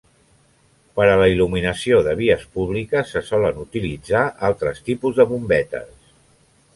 Per a la il·luminació de vies públiques, se solen utilitzar altres tipus de bombetes.